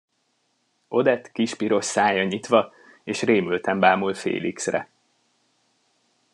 Odette kis, piros szája nyitva, és rémülten bámul Félixre.